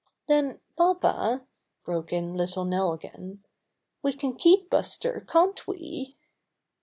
''Then, papa," broke in little Nell again, "we can keep Buster, can't we?"